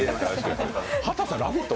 畑さん、「ラヴィット！」